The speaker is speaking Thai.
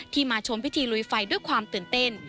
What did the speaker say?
มาชมพิธีลุยไฟด้วยความตื่นเต้น